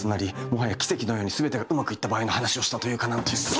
もはや奇跡のように全てがうまくいった場合の話をしたというか何というか。